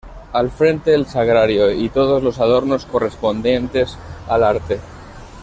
Al frente, el sagrario y todos los adornos correspondientes al arte.